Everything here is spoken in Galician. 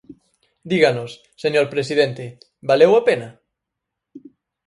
Díganos, señor presidente: ¿valeu a pena?